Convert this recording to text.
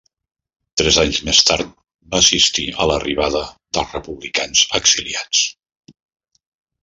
Tres anys més tard va assistit a l'arribada dels republicans exiliats.